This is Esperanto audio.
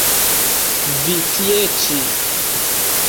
Vi, tie ĉi!